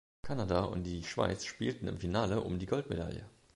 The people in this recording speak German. Kanada und die Schweiz spielten im Finale um die Goldmedaille.